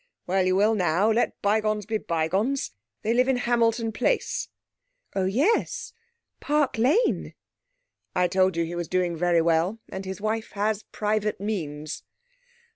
'Well, you will now. Let bygones be bygones. They live in Hamilton Place.' 'Oh yes....Park Lane?' 'I told you he was doing very well, and his wife has private means.'